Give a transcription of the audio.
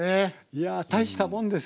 いやたいしたもんです。